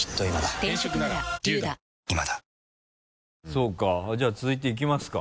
そうかじゃあ続いていきますか。